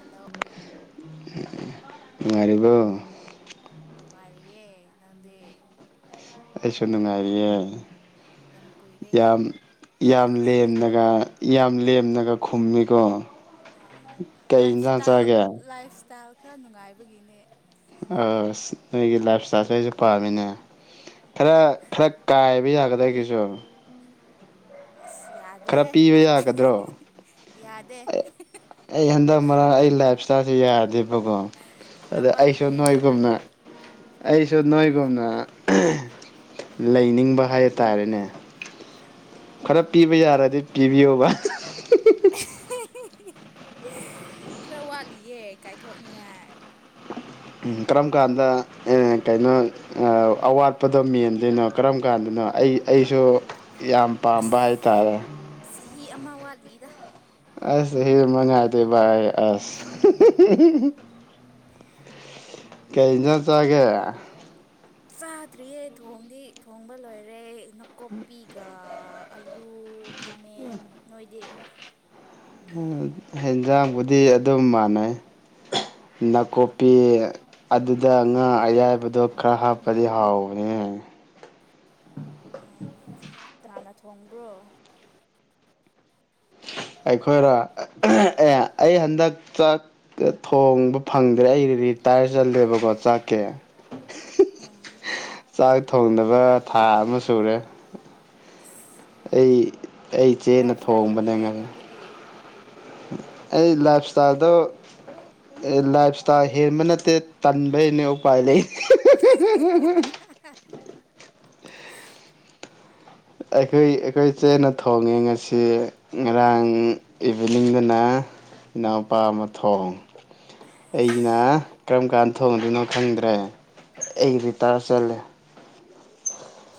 Hello ꯅꯨꯡꯉꯥꯏꯔꯤꯕꯣ ꯅꯨꯡꯉꯥꯏꯔꯤꯌꯦ ꯅꯪꯗꯤ ꯑꯩꯁꯨ ꯅꯨꯡꯉꯥꯏꯔꯤꯌꯦ ꯌꯥꯝ ꯀꯨꯏꯔꯦꯀꯣ ꯌꯥꯝ ꯌꯥꯝ ꯂꯦꯝꯅꯒ ꯌꯥꯝ ꯂꯦꯝꯅꯒ ꯈꯨꯝꯃꯤꯀꯣ ꯀꯩ ꯏꯟꯁꯥꯡ ꯂꯥꯏꯞꯁ꯭ꯇꯥꯏꯜ ꯆꯥꯒꯦ ꯂꯥꯏꯞ ꯁ꯭ꯇꯥꯏꯜ ꯈꯔ ꯅꯨꯡꯉꯥꯏꯕꯒꯤꯅꯦ ꯑꯁ ꯅꯣꯏꯒꯤ ꯂꯥꯏꯞ ꯁ꯭ꯇꯥꯏꯜꯁꯦ ꯑꯩꯁꯨ ꯄꯥꯝꯃꯤꯅꯦ ꯈꯔ ꯈꯔ ꯀꯥꯏꯕ ꯌꯥꯒꯗꯔ ꯑꯩꯒꯤꯁꯨ ꯏꯁ ꯈꯔ ꯌꯥꯗꯦꯍꯦ ꯄꯤꯕ ꯑ ꯍ ꯌꯥꯒꯗ꯭ꯔꯣ ꯍ ꯌꯥꯗꯦ ꯑꯩ ꯍꯟꯗꯛ ꯃꯔꯛ ꯑꯩ ꯂꯥꯏꯞ ꯁ꯭ꯇꯥꯏꯜꯁꯦ ꯌꯥꯗꯦꯕꯀꯣ ꯈꯔ ꯑꯗ ꯑꯩꯁꯨ ꯋꯥꯠꯂꯤꯌꯦ ꯅꯣꯏꯒꯨꯝꯅ ꯑꯩꯁꯨ ꯅꯣꯏꯒꯨꯝꯅ ꯑꯥ ꯂꯩꯅꯤꯡꯕ ꯍꯥꯏꯇꯥꯔꯦꯅꯦ ꯈꯔ ꯄꯤꯕ ꯌꯥꯔꯗꯤ ꯄꯤꯕꯤꯌꯣꯕ ꯑ ꯍ ꯍꯤ ꯍꯤ [unintelligible] [unintelligible] ꯈꯔ ꯋꯥꯠꯂꯤꯌꯦ ꯀꯥꯏꯊꯣꯛꯅꯤꯡꯉꯥꯏ ꯎꯝ ꯀꯔꯝ ꯀꯥꯟꯗ ꯑꯥ ꯀꯩꯅꯣ ꯑꯥ ꯑꯋꯥꯠꯄꯗꯣ ꯃꯦꯟꯗꯣꯏꯅꯣ ꯀꯔꯝ ꯀꯥꯟꯗꯅꯣ ꯑꯩ ꯑꯩꯁꯨ ꯌꯥꯝ ꯄꯥꯝꯕ ꯑꯁ ꯍꯥꯏꯇꯥꯔꯦ ꯆꯍꯤ ꯑꯃ ꯋꯥꯠꯂꯤꯗ ꯑꯁ ꯆꯍꯤ ꯑꯃ ꯉꯥꯏꯗꯣꯏꯕ ꯑꯩ ꯑꯁ ꯍꯤ ꯍꯤ ꯍꯤ ꯍꯤ ꯀꯩ ꯏꯟꯖꯥꯡ ꯆꯥꯒꯦ ꯆꯥꯗ꯭ꯔꯤꯌꯦ ꯊꯣꯡꯗꯤ ꯊꯣꯡꯕ ꯂꯣꯏꯔꯦ ꯅꯥꯀꯨꯞꯄꯤꯒ ꯑꯂꯨ ꯈꯥꯃꯦꯟ ꯅꯣꯏꯗꯤ ꯍꯦꯟꯖꯥꯡꯕꯨꯗꯤ ꯑꯗꯨꯝ ꯃꯥꯟꯅꯩ ꯅꯥꯀꯨꯞꯄꯤ ꯑꯗꯨꯗ ꯉꯥ ꯑꯌꯥꯏꯕꯗꯣ ꯈꯔ ꯍꯥꯞꯄꯗꯤ ꯍꯥꯎꯕꯅꯦ ꯑꯥ ꯀꯅꯥꯅ ꯊꯣꯡꯕ꯭ꯔꯣ ꯑꯩꯈꯣꯏꯔꯣ ꯑ ꯑꯍ ꯑꯦ ꯑꯩ ꯍꯟꯗꯛ ꯆꯥꯛ ꯊꯣꯡꯕ ꯐꯪꯗ꯭ꯔꯦ ꯑꯩ ꯔꯤꯇꯥꯌ꯭ꯔ ꯆꯠꯂꯦꯕꯀꯣ ꯆꯥꯛꯀꯤ ꯑꯥ ꯆꯥꯛ ꯊꯣꯡꯗꯕ ꯊꯥ ꯑꯃ ꯁꯨꯔꯦ ꯑꯩ ꯑꯩ ꯏꯆꯦꯅ ꯊꯣꯡꯕꯅꯦ ꯉ ꯗꯒꯤ ꯑꯩ ꯂꯥꯏꯞ ꯁ꯭ꯇꯥꯏꯜꯗꯣ ꯂꯥꯏꯞ ꯁ꯭ꯇꯥꯏꯜ ꯍꯦꯟꯕ ꯅꯠꯇꯦ ꯇꯟꯕꯩꯅꯦ ꯎꯄꯥꯏ ꯂꯩ ꯎ ꯎ ꯎ ꯎ [unintelligible] ꯑꯩꯈꯣꯏ ꯑꯩꯈꯣꯏ ꯆꯦꯅ ꯊꯣꯡꯉꯦ ꯉꯁꯤ ꯉꯔꯥꯡ ꯏꯚꯤꯅꯤꯡꯗꯅ ꯏꯅꯥꯎꯄꯥ ꯑꯃ ꯊꯣꯡ ꯑꯩꯅ ꯀꯔꯝ ꯀꯥꯟ ꯊꯣꯡꯗꯣꯏꯅꯣ ꯈꯪꯗ꯭ꯔꯦ ꯑꯩ ꯉꯥꯟꯇꯥ ꯆꯠꯂꯦ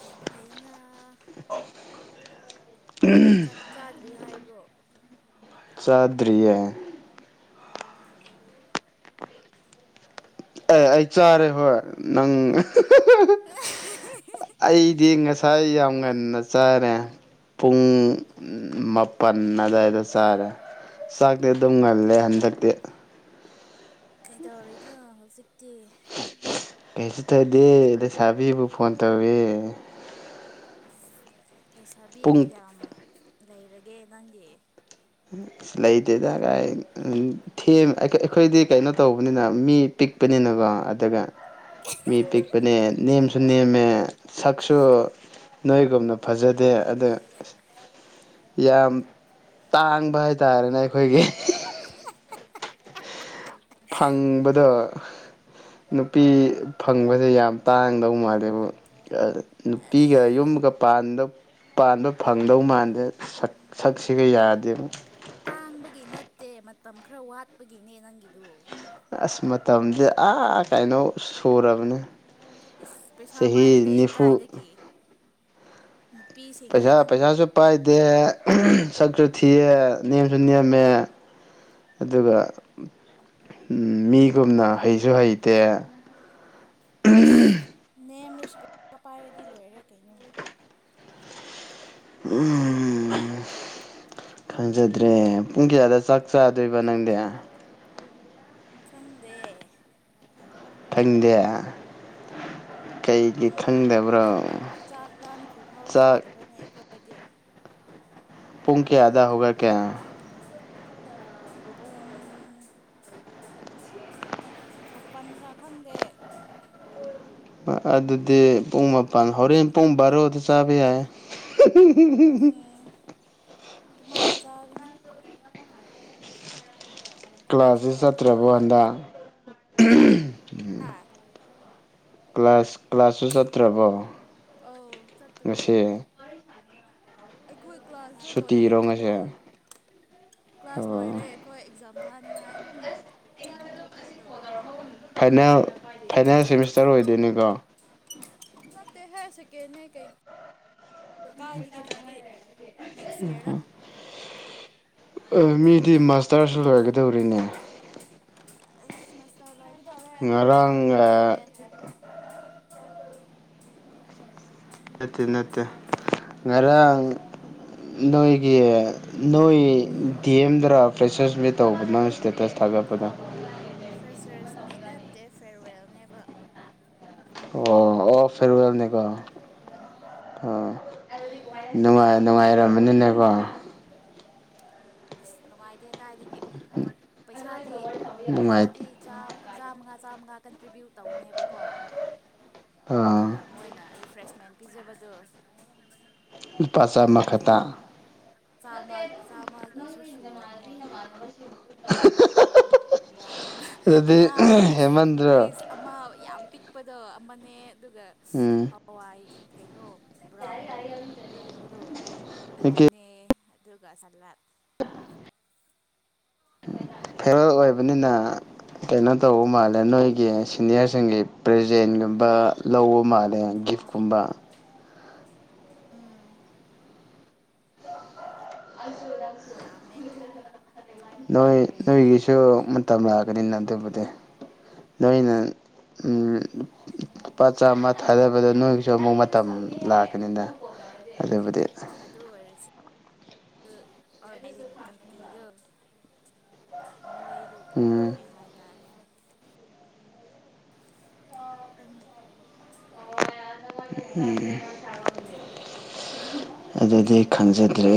ꯌꯥꯝ ꯐꯩꯅꯥ ꯎꯝ ꯆꯥꯛ [unintelligible] ꯆꯥꯗ꯭ꯔꯤ ꯍꯥꯏꯕ꯭ꯔꯣ ꯆꯥꯗ꯭ꯔꯤꯌꯦ ꯑꯦ ꯑꯩ ꯆꯥꯔꯦ ꯍꯣꯏ ꯅꯪ [unintelligible] ꯑꯩꯗꯤ ꯉꯁꯥꯏ ꯌꯥꯝ ꯉꯟꯅ ꯆꯥꯔꯦ ꯄꯨꯡ ꯃꯥꯄꯟ ꯑꯗꯥꯏꯗ ꯆꯥꯔꯦ ꯆꯥꯛꯇꯤ ꯑꯗꯨꯝ ꯉꯜꯂꯦ ꯍꯟꯗꯛꯇꯤ ꯀꯩꯗꯧꯔꯤꯅꯣ ꯍꯧꯖꯤꯛꯇꯤ ꯀꯩꯁꯨ ꯇꯧꯗꯦ ꯂꯩꯁꯥꯕꯤꯕꯨ ꯐꯣꯟ ꯇꯧꯋꯦ ꯂꯩꯩꯁꯥꯕꯤ ꯄꯨꯡ ꯀꯌꯥꯝ ꯂꯩꯔꯒꯦ ꯅꯪꯒꯤ ꯂꯩꯇꯦꯗ ꯀꯥꯏ ꯎꯝ ꯊꯦꯝ ꯑꯩꯈꯣꯏꯗꯤ ꯀꯩꯅꯣ ꯇꯧꯕꯅꯤꯅ ꯃꯤ ꯄꯤꯛꯄꯅꯤꯅꯀꯣ ꯑꯗꯨꯒ ꯃꯤ ꯄꯤꯛꯄꯅꯦ ꯅꯦꯝꯁꯨ ꯅꯦꯝꯃꯦ ꯁꯛꯁꯨ ꯅꯣꯏꯒꯨꯝꯅ ꯐꯖꯗꯦ ꯑꯗꯣ ꯌꯥꯝ ꯇꯥꯡꯕ ꯍꯥꯏꯇꯥꯔꯦꯅꯦ ꯑꯩꯈꯣꯏꯒꯤ ꯐꯪꯕꯗꯣ ꯅꯨꯄꯤ ꯐꯪꯕꯁꯦ ꯌꯥꯝ ꯇꯥꯡꯗꯧ ꯃꯥꯜꯂꯦꯕꯨ ꯑꯁ ꯅꯨꯄꯤꯒ ꯌꯨꯝꯒ ꯄꯥꯟꯗꯧ ꯄꯥꯟꯕ ꯐꯪꯗꯧ ꯃꯥꯟꯗꯦ ꯁꯛꯁꯤꯒ ꯌꯥꯗꯦꯕ ꯇꯥꯡꯕꯒꯤ ꯅꯠꯇꯦ ꯃꯇꯝ ꯈꯔ ꯋꯥꯠꯄꯒꯤꯅꯦ ꯅꯪꯒꯤꯗꯨ ꯑꯁ ꯃꯇꯝꯁꯦ ꯑꯥ ꯀꯩꯅꯣ ꯁꯨꯔꯕꯅꯦ ꯏꯁ ꯄꯩꯁꯥ ꯆꯍꯤ ꯄꯥꯏꯔꯗꯤ ꯅꯤꯐꯨ ꯀꯥꯏꯗꯒꯤ ꯅꯨꯄꯤꯁꯤꯡ ꯄꯩꯁꯥ ꯄꯩꯁꯥꯁꯨ ꯄꯥꯏꯗꯦ ꯁꯛꯁꯨ ꯊꯤꯌꯦ ꯅꯦꯝꯁꯨ ꯅꯦꯝꯃꯦ ꯑꯗꯨꯒ ꯃꯤꯒꯨꯝꯅ ꯍꯩꯁꯨ ꯍꯩꯇꯦ ꯏꯁꯁ ꯅꯦꯝꯔꯁꯨ ꯄꯩꯁꯥ ꯄꯥꯏꯔꯗꯤ ꯂꯣꯏꯔꯦ ꯀꯩꯅꯣ ꯎꯝ ꯈꯪꯖꯗ꯭ꯔꯦ ꯄꯨꯡ ꯀꯌꯥꯗ ꯆꯥꯛ ꯆꯥꯗꯣꯏꯕ ꯅꯪꯗꯤ ꯈꯪꯗꯦ ꯈꯪꯗꯦ ꯀꯩꯒꯤ ꯈꯪꯗꯕ꯭ꯔꯣ ꯆꯥꯛ ꯂꯥꯟꯗ꯭ꯔꯤꯐꯥꯎ ꯆꯥꯛ ꯆꯥꯗꯕꯅꯦ ꯑꯩꯈꯣꯏꯗꯤ ꯄꯨꯡ ꯀꯌꯥꯗꯥꯥ ꯍꯧꯒꯠꯀꯦ ꯄꯨꯡ ꯃꯥꯄꯟꯔ ꯈꯪꯗꯦ ꯑꯗꯨꯗꯤ ꯄꯨꯡ ꯃꯥꯄꯟ ꯍꯣꯔꯦꯟ ꯄꯨꯡ ꯕꯥꯔꯣꯗ ꯆꯥꯕ ꯌꯥꯏ [inaudible] ꯎꯝ ꯑꯗꯨꯃꯥꯏꯅ ꯆꯥꯕꯅꯤ ꯊꯕꯛꯁꯨ ꯀ꯭ꯂꯥꯁꯁꯨ ꯆꯠꯇ꯭ꯔꯕꯣ ꯇꯧꯗꯕꯅꯤꯅ ꯍꯟꯗꯛ ꯍꯥꯥ ꯀ꯭ꯂꯥꯁ ꯀ꯭ꯂꯥꯁꯁꯨ ꯆꯠꯇ꯭ꯔꯕꯣ ꯑꯣ ꯆꯠꯇꯔꯦ ꯉꯁꯤ ꯑꯩꯈꯣꯏ ꯀ꯭ꯂꯥꯁꯇꯣ ꯁꯨꯇꯤꯔꯣ ꯂꯣꯏꯔꯦꯕꯀꯣ ꯉꯁꯤ ꯀ꯭ꯂꯥꯁ ꯂꯣꯏꯔꯦ ꯑꯣ ꯑꯩꯈꯣꯏ ꯑꯦꯛꯖꯥꯝ ꯊꯥꯅꯤꯡꯉꯥꯏ ꯑꯗꯨꯝ ꯄ꯭ꯔꯤꯄꯦꯌꯔ ꯇꯧꯔꯒ ꯂꯩ ꯐꯥꯏꯅꯦꯜ ꯐꯥꯏꯅꯦꯜ ꯁꯦꯃꯤꯁꯇꯔ ꯑꯣꯏꯗꯣꯏꯅꯤꯀꯣ ꯅꯠꯇꯦꯍꯦ ꯁꯦꯀꯦꯟꯅꯦ ꯀꯩ ꯀꯥꯏꯗꯒꯤ ꯐꯥꯢꯅꯦꯜꯗꯤ ꯅꯦꯛꯁ ꯏꯌꯔꯗ ꯑꯣ ꯃꯤꯗꯤ ꯃꯥꯁꯇꯔꯁꯨ ꯂꯣꯏꯒꯗꯧꯔꯦꯅꯦ ꯑꯁ ꯃꯥꯁꯇꯔ ꯂꯣꯏꯒꯗꯧꯔꯦ ꯑꯗꯨꯒ ꯉꯔꯥꯡ ꯑꯟꯏꯝꯄ꯭ꯂꯣꯏꯃꯦꯟꯠ ꯅꯠꯇꯦ ꯅꯠꯇꯦ ꯉꯔꯥꯡ ꯅꯣꯏꯒꯤ ꯅꯣꯏ ꯗꯤ ꯑꯦꯝꯗꯔꯥ ꯐ꯭ꯔꯦꯁꯔꯁ ꯃꯤꯠ ꯇꯧꯕ ꯅꯪ ꯁ꯭ꯇꯦꯇꯁ ꯊꯥꯒꯠꯄꯗꯣ ꯐ꯭ꯔꯦꯁꯔꯁ ꯃꯤꯠ ꯅꯠꯇꯦ ꯐꯦꯔꯋꯦꯜꯅꯦꯕ ꯑꯣ ꯑꯣ ꯐꯦꯔꯋꯦꯜꯅꯦꯀꯣ ꯑꯣ ꯅꯨꯡꯉꯥꯏ ꯅꯨꯡꯉꯥꯏꯔꯝꯃꯅꯤꯅꯦꯀꯣ ꯑꯁ ꯅꯨꯡꯉꯥꯏꯇꯦ ꯀꯥꯏꯗꯒꯤ ꯄꯩꯁꯥꯗꯤ ꯅꯨꯡꯉꯥꯏ ꯄꯩꯁꯥꯗꯤ ꯆꯥ ꯆꯥꯝꯃꯉꯥ ꯆꯥꯝꯃꯉꯥ ꯀꯟꯇ꯭ꯔꯤꯕ꯭ꯌꯨꯠ ꯇꯧꯕꯅꯦꯕꯀꯣ ꯑꯥ ꯑꯗꯨꯒ ꯃꯣꯏꯅ ꯔꯤꯐ꯭ꯔꯦꯁꯃꯦꯟꯠ ꯄꯤꯖꯕꯗꯣ ꯂꯨꯄꯥ ꯆꯥꯝꯃ ꯈꯛꯇ ꯍꯟꯗ꯭ꯔꯦ ꯆꯥꯝꯃ ꯆꯥꯝꯃꯒꯤꯁꯨ ꯁꯨꯔꯝꯃꯣꯏ ꯑꯗꯨꯗꯤ ꯉꯥ ꯄꯤꯁ ꯍꯦꯟꯃꯟꯗ꯭ꯔꯣ ꯄꯤꯁ ꯑꯃ ꯌꯥꯝ ꯄꯤꯛꯄꯗꯣ ꯑꯃꯅꯦ ꯑꯗꯨꯒ ꯎꯝ ꯍꯋꯥꯏ ꯀꯩꯅꯣ ꯕ꯭ꯔꯥꯎꯟ ꯉꯧꯕꯗꯣ ꯍꯧꯖꯤꯛꯀꯤ ꯑꯗꯨꯅꯦ ꯗꯨꯒꯥ ꯁꯂꯥꯗ [inaudible] ꯐꯤꯌꯔꯋ‌ꯦꯜ ꯑꯣꯏꯕꯅꯤꯅ ꯀꯩꯅꯣ ꯇꯧꯕ ꯃꯥꯜꯂꯦ ꯅꯣꯏꯒꯤ ꯁꯤꯅꯤꯌꯔꯁꯤꯡꯒꯤ ꯄ꯭ꯔꯥꯖꯦꯟꯒꯨꯝꯕ ꯂꯧꯕ ꯃꯥꯜꯂꯦ ꯒꯤꯐ ꯈꯨꯝꯕ ꯑꯥ [inaudible] ꯌꯥꯝꯃꯦ ꯅꯣꯏ ꯅꯣꯏꯒꯤꯁꯨ ꯃꯇꯝ ꯂꯥꯛꯀꯅꯤꯅ ꯑꯗꯨꯕꯨꯗꯤ ꯅꯣꯏꯅ ꯎꯝ ꯂꯨꯄꯥ ꯆꯥꯝꯃꯥ ꯊꯥꯗꯕꯗ ꯅꯣꯏꯒꯤꯁꯨ ꯑꯃꯨꯛ ꯃꯇꯝ ꯂꯥꯛꯀꯅꯤꯅ ꯑꯗꯨꯕꯨꯗꯤ ꯑꯗꯨ ꯑꯣꯏꯔꯁꯨ ꯑꯣꯔꯒꯅꯥꯏꯖꯤꯡ ꯀꯃꯤꯇꯤꯗꯨ ꯃꯣꯏꯗꯣ ꯀꯩꯅꯣ ꯎꯝ ꯇꯧꯋꯦ ꯍꯥꯏꯇꯥꯔꯦꯅꯦ ꯈꯪꯗ‌ꯦ ꯎꯝ ꯑꯗꯨꯗꯤ ꯈꯪꯖꯗ꯭ꯔꯦ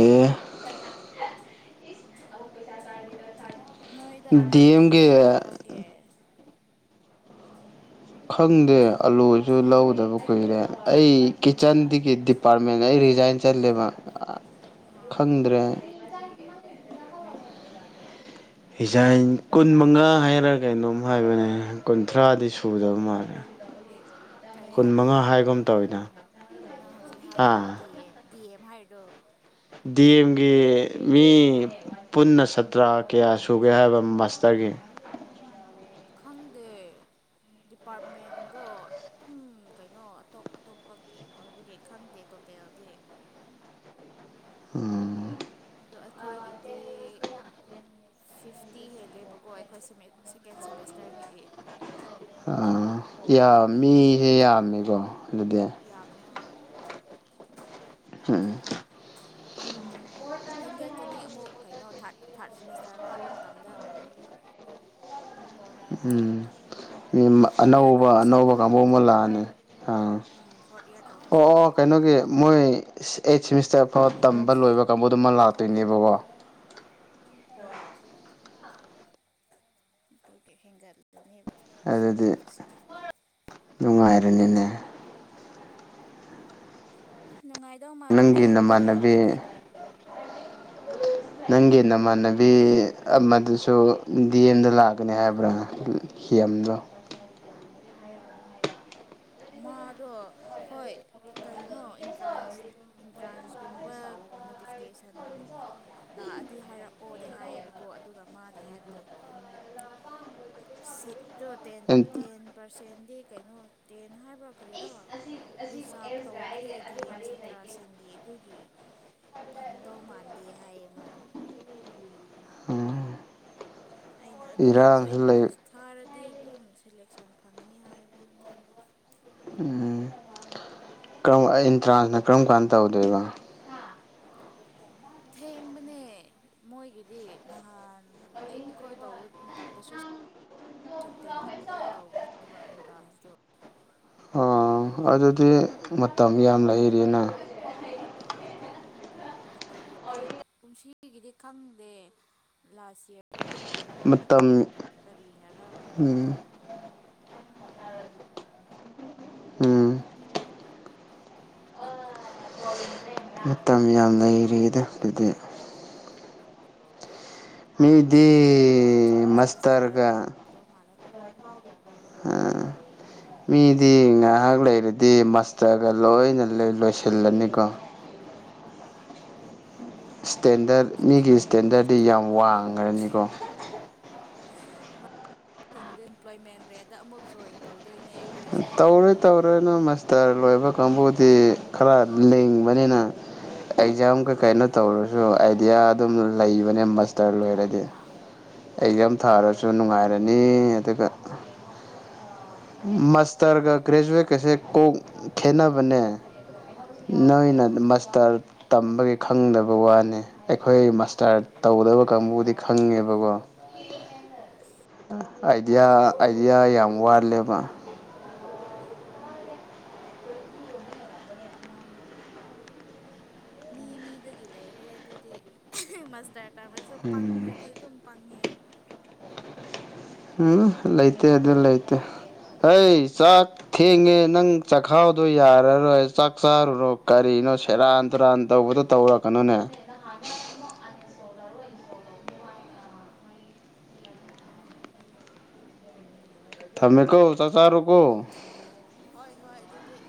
ꯅꯣꯏꯗ ꯑꯂꯨ ꯗꯤ ꯑꯦꯝꯒꯤ ꯀꯦꯖꯤꯗ ꯀꯌꯥ ꯂꯧꯒꯦ ꯈꯪꯗꯦ ꯑꯂꯨꯁꯨ ꯂꯧꯗꯕ ꯀꯨꯏꯔꯦ ꯑꯩ ꯀꯤꯠꯆꯟꯗꯒꯤ ꯗꯤ ꯄꯥꯔꯃꯦꯟ ꯑꯩ ꯔꯤꯖꯥꯏꯟ ꯆꯠꯂꯦꯕ ꯑ ꯑꯥ ꯈꯪꯗ꯭ꯔꯦ ꯍꯤꯖꯥꯏꯟ ꯀꯨꯟꯃꯉꯥ ꯍꯥꯏꯔ ꯀꯩꯅꯣꯝ ꯍꯥꯏꯕꯅꯦ ꯀꯨꯟꯊ꯭ꯔꯥꯗꯤ ꯁꯨꯗꯕ ꯃꯥꯜꯂꯦ [inaudible] ꯀꯩ ꯍꯥꯏꯒꯦ ꯃꯉꯥ ꯇꯧꯕꯅꯣ ꯍꯥꯏꯒꯨꯝ ꯅꯪꯗꯣ ꯇꯧꯋꯤꯗ ꯅꯪ ꯍꯧꯖꯤꯛ ꯍꯥꯏꯔꯤꯗꯣ ꯑꯥ ꯗꯤ ꯑꯦꯝ ꯗꯤ ꯑꯦꯝ ꯍꯥꯏꯔꯤꯗꯣ ꯗꯤ ꯑꯦꯝꯒꯤ ꯃꯤ ꯄꯨꯟꯅ ꯁꯇ꯭ꯔꯥ ꯀꯌꯥ ꯁꯨꯒꯦ ꯍꯥꯏꯕ ꯃꯥꯁꯇꯔꯒꯤ ꯈꯪꯗꯦ ꯗꯤꯄꯥꯔꯠꯃꯦꯟꯗꯣ ꯗꯨꯝ ꯀꯩꯅ‌ꯣ ꯑꯇꯣꯞ ꯑꯇꯣꯞꯄꯒꯤ ꯑꯣꯏꯕꯒꯤ ꯈꯪꯗꯦ ꯇꯣꯇꯦꯜꯗꯤ ꯎꯝ ꯑꯗꯣ ꯑꯩꯈꯣꯏꯒꯤꯗꯤ ꯐꯤꯞꯇꯤ ꯍꯦꯜꯂꯦꯕꯀꯣ ꯑꯩꯈꯣꯏ ꯁ‌ꯦꯃ‌ꯦ ꯁꯦꯀꯦꯟ ꯁꯦꯃꯤꯁꯇꯔꯒꯤꯗꯤ ꯑꯥ ꯌꯥꯝ ꯃꯤꯍꯦ ꯌꯥꯝꯃꯦꯀꯣ ꯑꯗꯨꯗꯤ ꯌꯥꯝꯃꯦ ꯍꯣꯏ ꯍꯝ ꯍꯦꯟꯒꯠꯀꯅꯤ ꯑꯃꯨꯛ ꯀꯩꯅꯣ ꯊꯥꯠ ꯊꯥꯠ ꯁꯦꯃꯤꯁꯇꯔ ꯀꯥꯕ ꯃꯇꯝꯗ ꯎꯝ ꯐꯣꯔꯠ ꯏꯌꯥꯔ ꯑꯅꯧꯕ ꯑꯅꯧꯕ ꯇꯧꯕꯁꯤꯡꯗꯣ ꯀꯥꯡꯕꯨ ꯑꯃ ꯂꯥꯛꯑꯅꯤ ꯑꯥ ꯎꯝ ꯐꯣꯔꯠ ꯏꯌꯥꯔ ꯇꯧꯕꯁꯤꯡꯗꯣ ꯑꯣ ꯀꯩꯅꯣꯒꯤ ꯃꯣꯏ ꯑꯩꯠ ꯁꯦꯃꯤꯁꯇꯔ ꯐꯥꯎ ꯇꯝꯕ ꯂꯣꯏꯕ ꯀꯥꯡꯕꯨꯗꯨ ꯑꯃꯨꯛ ꯂꯥꯛꯇꯣꯏꯅꯦꯕꯀꯣ ꯫ ꯍꯣꯏ ꯑꯗꯨꯒꯤ ꯍꯦꯡꯒꯠꯂꯛꯀꯅ‌ꯦꯕ ꯫ ꯑꯗꯨꯗꯤ ꯅꯨꯡꯉꯥꯏꯔꯅꯤꯅꯦ ꯫ ꯑꯝ ꯅꯨꯡꯉꯥꯏꯗꯧ ꯃꯥꯟꯗꯦ ꯅꯪꯒꯤ ꯃꯤ ꯅꯃꯥꯟꯅꯕꯤ ꯌꯥꯝꯒ꯭ꯔꯗꯤ ꯫ ꯅꯪꯒꯤ ꯅꯃꯥꯟꯅꯕꯤ ꯑꯃꯗꯨꯁꯨ ꯗꯤ ꯑꯦꯝꯗ ꯂꯥꯛꯀꯅꯤ ꯍꯥꯏꯕ꯭ꯔꯥ ꯊꯤꯌꯥꯝꯗ‌ꯣ [unintelligible] ꯃꯥꯗꯣ ꯍꯣꯏ ꯀꯩꯅꯣ ꯑꯦꯟꯇ꯭ꯔꯥꯟꯁ ꯑꯦꯟꯇ꯭ꯔꯥꯟꯁꯒꯨꯝꯕ ꯅꯣꯇꯤꯐꯤꯀꯦꯁꯟ ꯂꯥꯛꯑꯗꯤ ꯍꯥꯏꯔꯛꯑꯣꯗꯤ ꯍꯥꯏꯌꯦꯕꯀꯣ ꯑꯗꯨꯒ ꯃꯥꯅ ꯍꯥꯏꯕꯗꯣ ꯫ [inaudible] ꯁꯤꯠꯇꯣ ꯇ‌ꯦꯟ ꯇꯦꯟ ꯄꯥꯔꯁꯦꯟꯗꯤ ꯀꯩꯅꯣ ꯇꯦꯟ ꯍꯥꯏꯕ꯭ꯔ ꯀꯔꯤꯔ ꯔꯤꯖꯥꯞ ꯇꯧꯈ꯭ꯔꯦ ꯗꯤ ꯑꯦꯝ ꯁꯥꯇ꯭ꯔꯥꯁꯤꯡꯒꯤ ꯑꯗꯨꯒꯤ ꯫ ꯐꯪꯗꯧ ꯃꯥꯟꯗꯦ ꯍꯥꯏꯌꯦ ꯃꯥꯗꯨ ꯑꯩꯅ ꯑꯗꯨ ꯑꯣꯏꯔꯁꯨ ꯏꯔꯥꯡꯁꯨ ꯂꯩ ꯑꯦꯟꯇ꯭ꯔꯥꯟꯁ ꯊꯥꯔꯗꯤ ꯑꯗꯨꯝ ꯁꯦꯂꯦꯛꯁꯟ ꯐꯪꯒꯅꯤ ꯍꯥꯏꯕꯤꯕꯅꯤ ꯎꯝ ꯀꯔꯝ ꯑꯦꯟꯇ꯭ꯔꯥꯟꯁꯅ ꯀꯔꯝ ꯀꯥꯟꯗ ꯇꯧꯗꯣꯏꯕ ꯊꯦꯡꯕꯅꯦ ꯃꯣꯏꯒꯤꯗꯤ ꯅꯍꯥꯟ ꯑꯩ ꯑꯩꯈꯣꯏ ꯇꯧꯕ ꯃꯇꯝꯗꯁꯨ ꯁꯦꯞꯇꯦꯝꯕꯔꯗꯔ ꯇꯧꯕꯅꯦꯕ ꯑꯦꯟꯇ꯭ꯔꯥꯟꯁꯇꯨ ꯑꯣ ꯑꯗꯨꯗꯤ ꯃꯇꯝ ꯌꯥꯝ ꯂꯩꯔꯤꯅ ꯂꯩꯔꯤ ꯀꯨꯌꯝꯁꯤꯒꯤꯗꯤ ꯈꯪꯗꯦ ꯂꯥꯁ ꯏꯌꯥꯔꯗꯨꯗꯤ ꯀꯩꯅꯣ ꯈꯔ ꯃꯇꯝ ꯀꯔꯤꯅꯔ ꯎꯝ ꯃꯇꯝꯗꯣ ꯎꯝ ꯃꯇꯝ ꯌꯥꯝ ꯂꯩꯔꯤꯗ ꯑꯗꯨꯗꯤ ꯃꯤꯗꯤ ꯁ꯭ꯇꯥꯔ ꯃꯁꯇꯔꯒ ꯇꯧꯗꯧ ꯃꯥꯜꯂꯦ ꯃꯤꯗꯤ ꯉꯥꯏꯍꯥꯛ ꯂꯩꯔꯗꯤ ꯃꯁꯇꯔꯒ ꯂꯣꯏꯅ ꯂꯣꯏꯁꯤꯜꯂꯅꯤꯀꯣ ꯏꯁꯇꯦꯟꯗꯔ ꯃꯤꯒꯤ ꯏꯁꯇꯦꯟꯗꯔꯗꯤ ꯃꯥꯁꯇꯔ ꯌꯥꯝ ꯋꯥꯡꯉꯅꯤꯀꯣ ꯑꯟꯏꯝꯄ꯭ꯂꯣꯏꯃꯦꯟ ꯔꯦꯗ ꯑꯃꯨꯛ ꯖꯣꯏꯟ ꯇꯧꯗꯣꯏꯅꯦ ꯑꯩꯈꯣꯏꯁꯦ ꯇꯧꯔꯣꯏ ꯇꯧꯔꯣꯏ ꯅꯪ ꯃꯥꯁꯇꯔ ꯂꯣꯏꯕ ꯀꯥꯡꯕꯨꯗꯤ ꯈꯔ ꯂꯤꯡꯕꯅꯤꯅ ꯑꯦꯛꯖꯥꯝ ꯀꯩ ꯀꯩꯅꯣ ꯇꯧꯔꯁꯨ ꯑꯥꯏꯗꯤꯌꯥ ꯑꯗꯨꯝ ꯂꯩꯕꯅꯦ ꯃꯥꯁꯇꯔ ꯂꯣꯏꯔꯗꯤ ꯑꯦꯛꯖꯥꯝ ꯊꯥꯔꯁꯨ ꯅꯨꯡꯉꯥꯏꯔꯅꯤ ꯑꯗꯨꯒ ꯃꯥꯁꯇꯔꯒ ꯒ꯭ꯔꯦꯖꯨꯋꯦꯠꯀꯁꯦ ꯀꯣꯛ ꯈꯦꯠꯅꯕꯅꯦ ꯅꯣꯏꯅ ꯃꯁꯇꯔ ꯇꯝꯕꯒꯤ ꯈꯪꯗꯕꯩ ꯋꯥꯅꯤ ꯑꯩꯈꯣꯏ ꯃꯥꯁꯇꯔ ꯇꯧꯗꯕ ꯀꯥꯡꯕꯨꯗꯤ ꯈꯪꯉꯦꯕꯀꯣ ꯑꯥꯏꯗꯤꯌꯥ ꯑꯥꯏꯗꯤꯌꯥ ꯌꯥꯝ ꯋꯥꯠꯂꯦꯕ ꯃꯤ ꯃꯤꯗꯒꯤ ꯂꯩꯔꯦ ꯑꯗꯨꯗꯤ ꯃꯁꯇꯔ ꯇꯥꯝꯔꯁꯨ ꯎꯝ ꯄꯪꯉꯗꯤ ꯑꯗꯨꯝ ꯄꯪꯉꯦ ꯎꯝ ꯂꯩꯇꯦ ꯑꯗꯨ ꯂꯩꯇꯦ ꯑꯩ ꯆꯥꯛ ꯊꯦꯡꯉꯦ ꯅꯪ ꯆꯈꯥꯎꯗꯣ ꯌꯥꯔꯔꯣꯏ ꯆꯥꯛ ꯆꯥꯔꯨꯔꯣ ꯀꯔꯤꯅꯣ ꯁꯦꯔꯥꯟ ꯇꯨꯔꯥꯟ ꯇꯧꯕꯗꯣ ꯇꯧꯔꯛꯀꯅꯨꯅꯦ ꯊꯝꯃꯦꯀꯣ ꯆꯥꯛ ꯆꯥꯥꯔꯣꯀꯣ ꯍꯣꯏ ꯍꯣꯏ ꯑꯗꯨꯗꯤ